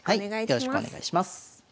よろしくお願いします。